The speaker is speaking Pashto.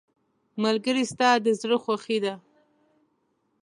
ملګری ستا د زړه خوښي ده.